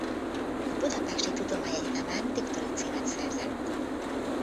A Budapesti Tudományegyetemen doktori címet szerzett.